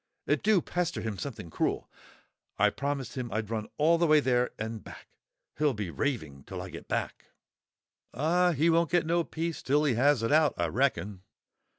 It do pester him something cruel. I promised him I'd run all the way there and back; he'll be raving till I get back." "Ah, he won't get no peace till he has it out, I reckon."